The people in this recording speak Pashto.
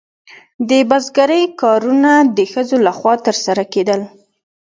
د بزګرۍ کارونه د ښځو لخوا ترسره کیدل.